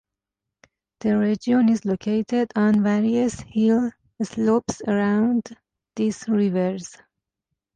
The region is located on various hill slopes around these rivers.